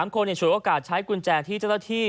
๓คนฉวยโอกาสใช้กุญแจที่เจ้าหน้าที่